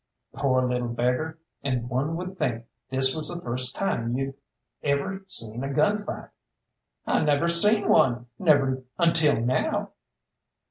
"Poor little beggar! And one would think this was the first time you'd ever seen a gun fight." "I never seen one, never until now."